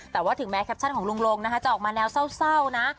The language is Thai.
แต่ว่าถึงแม้แคปชั่นของลุงลงนะคะจะออกมาแนวเศร้านะ